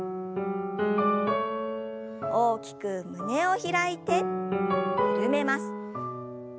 大きく胸を開いて緩めます。